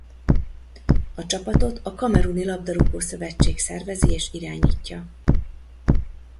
A csapatot a kameruni labdarúgó-szövetség szervezi és irányítja.